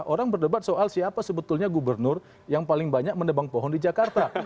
orang berdebat soal siapa sebetulnya gubernur yang paling banyak mendebang pohon di jakarta